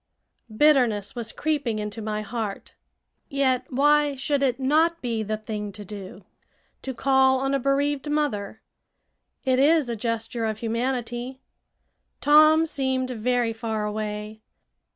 Bitterness was creeping into my heart. Yet why should it not be "the thing to do" to call on a bereaved mother? It is a gesture of humanity. Tom seemed very far away.